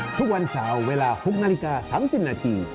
ทุกวันเสาร์เวลา๖นาฬิกา๓๐นาที